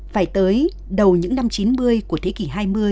phải tới đầu những năm chín mươi của thế kỷ hai mươi